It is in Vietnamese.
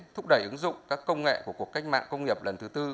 thúc đẩy ứng dụng các công nghệ của cuộc cách mạng công nghiệp lần thứ tư